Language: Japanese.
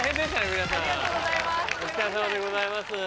皆さんお疲れさまでございます。